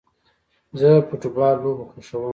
زه فټبال لوبه خوښوم